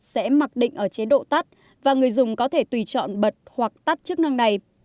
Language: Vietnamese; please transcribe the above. sẽ mặc định ở chế độ tắt và người dùng có thể tùy chọn bật hoặc tắt chức năng này